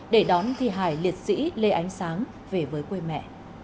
để đón thi hải liệt sĩ lê ánh sáng về với quê mẹ